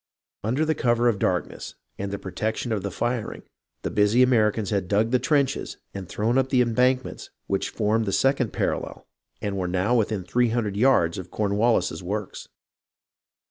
Under the cover of the darkness and the protection of the firing , the busy Americans had dug the trenches and thrown up the embankments which formed the second parallel and were now within three hundred yards of Cornwallis's works.